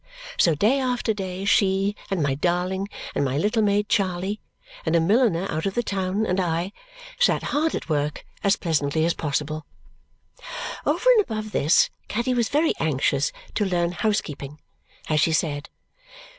So day after day she, and my darling, and my little maid Charley, and a milliner out of the town, and I, sat hard at work, as pleasantly as possible. Over and above this, Caddy was very anxious "to learn housekeeping," as she said.